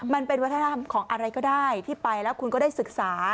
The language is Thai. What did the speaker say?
มันเป็นวัฒนธรรมของอะไรก็ได้ที่ไปแล้วคุณก็ได้ศึกษา